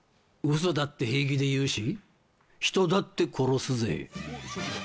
嘘だって平気で言うし、人だって殺すぜ。